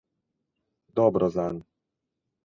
Dobro zanj.